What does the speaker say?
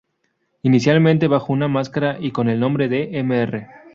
Inicialmente bajo una máscara y con el nombre de Mr.